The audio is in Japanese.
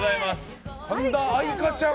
神田愛花ちゃん